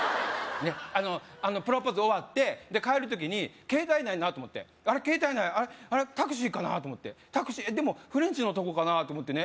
あのプロポーズ終わって帰る時に携帯ないなと思って携帯ないあれっタクシーかな？と思ってでもフレンチのとこかなと思ってね